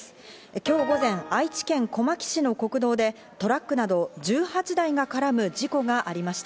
今日午前、愛知県小牧市の国道でトラックなど１８台が絡む事故がありました。